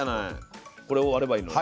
これを割ればいいのね。